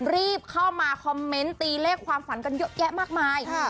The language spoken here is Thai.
รีบเข้ามาคอมเมนต์ตีเลขความฝันกันเยอะแยะมากมาย